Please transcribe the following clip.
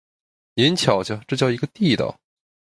您瞧瞧，这叫一个地道！